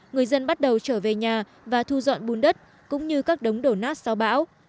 người dân bắt đầu trở về nhà và thu dọn bùn đất cũng như các đống đổ nát sau bão